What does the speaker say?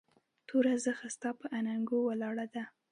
توره زخه ستا پهٔ اننګو ولاړه ده